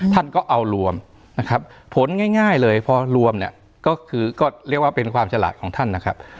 ท่านก็เอารวมนะครับผลง่ายเลยพอรวมเนี่ยก็คือก็เรียกว่าเป็นความฉลาดของท่านนะครับ